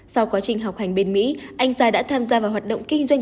sau quá trình học hành bên mỹ anh sa đã tham gia vào hoạt động kinh doanh